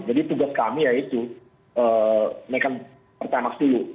jadi tugas kami yaitu naikkan pertamax dulu